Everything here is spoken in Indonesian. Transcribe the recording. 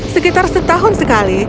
sekitar setahun sekali